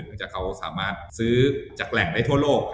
หลังจากเขาสามารถซื้อจากแหล่งได้ทั่วโลก